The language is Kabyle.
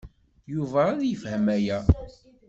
Yuba ad yefhem aya.